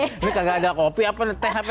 ini nggak ada kopi apa nete apa ya